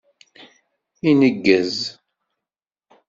Ineggez.